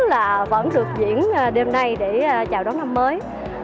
là vẫn được diễn đêm nay để chào đón năm mới